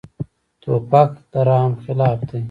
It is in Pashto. توپک د رحم خلاف دی.